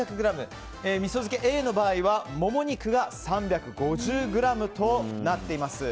味噌漬けＡの場合はモモ肉が３５０ｇとなっています。